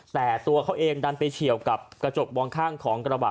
แต่ตัวเขาเองดันไปเฉียวกับกระจกมองข้างของกระบะ